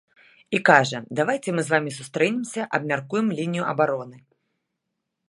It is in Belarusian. І кажа, давайце мы з вамі сустрэнемся, абмяркуем лінію абароны.